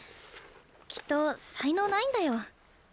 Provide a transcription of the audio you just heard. きっと才能ないんだよ。